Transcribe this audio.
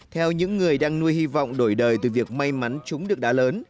theo những người đang nuôi hy vọng đổi đời từ việc may mắn trúng được đá lớn